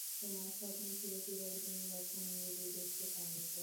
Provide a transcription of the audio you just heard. তোমার স্বপ্ন ছিল কীভাবে তুমি লক্ষণগুলি দেখতে পাওনি, তাই না?